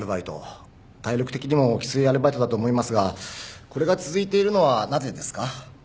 体力的にもきついアルバイトだと思いますがこれが続いているのはなぜですか？